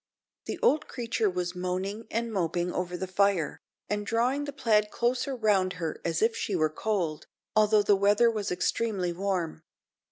The old creature was moaning and moping over the fire, and drawing the plaid close round her as if she were cold, although the weather was extremely warm.